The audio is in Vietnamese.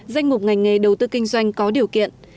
danh mục ngành nghề đầu tư kinh doanh có điều kiện